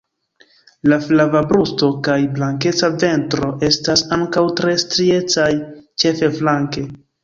La flava brusto kaj blankeca ventro estas ankaŭ tre striecaj ĉefe flanke.